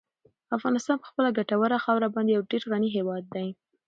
افغانستان په خپله ګټوره خاوره باندې یو ډېر غني هېواد دی.